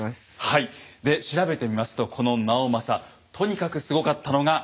はいで調べてみますとこの直政とにかくすごかったのがこれです。